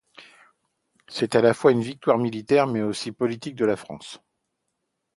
C'est à la fois une victoire militaire mais aussi politique de la France.